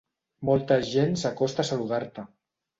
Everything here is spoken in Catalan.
Molta gent s'acosta a saludar-te.